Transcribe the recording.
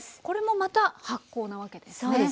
これもまた発酵なわけですね。